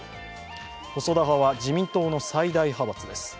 細田派は自民党の最大派閥です。